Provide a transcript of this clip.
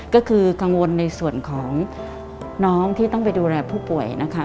ก็คือกังวลในส่วนของน้องที่ต้องไปดูแลผู้ป่วยนะคะ